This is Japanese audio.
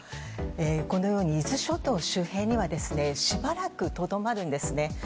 このように伊豆諸島周辺には、しばらくとどまるんですね。